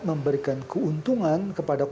memberikan keuntungan atau tidak